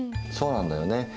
そうなんだよね。